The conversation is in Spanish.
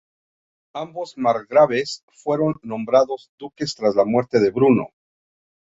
Ambos margraves fueron nombrados duques tras la muerte de Bruno.